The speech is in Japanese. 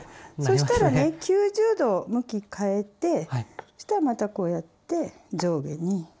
そしたらね９０度向き変えてそしたらまたこうやって上下にね。